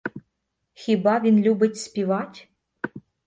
Хіба він любить співать?